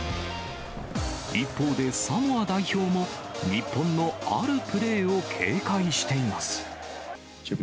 一方でサモア代表も、日本のあるプレーを警戒しています。